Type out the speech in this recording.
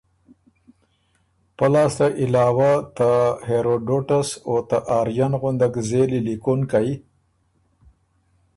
پۀ لاسته علاوه ته هېروډوټس او ته آرین غندک زېلی لیکونکئ